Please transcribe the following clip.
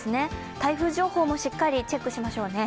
台風情報もしっかりチェックしましょうね。